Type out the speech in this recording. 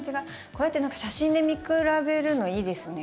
こうやって写真で見比べるのいいですね。